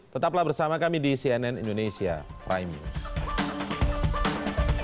tetaplah bersama kami di cnn indonesia prime news